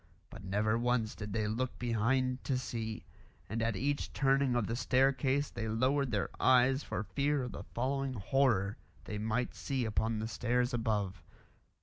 But never once did they look behind to see; and at each turning of the staircase they lowered their eyes for fear of the following horror they might see upon the stairs above.